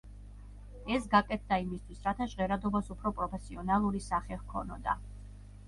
ეს გაკეთდა იმისთვის, რათა ჟღერადობას უფრო პროფესიონალური სახე ჰქონოდა.